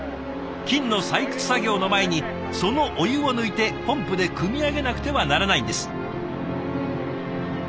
金の採掘作業の前にそのお湯を抜いてポンプでくみ上げなくてはならないんです。